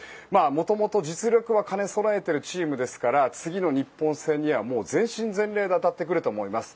元々、実力は兼ね備えているチームですから次の日本戦には全身全霊で当たってくると思います。